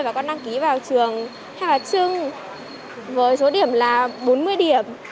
và con đăng ký vào trường hay là trưng với số điểm là bốn mươi điểm